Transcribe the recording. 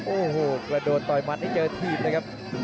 โอ้โหกระโดดต่อยมัดให้เจอถีบเลยครับ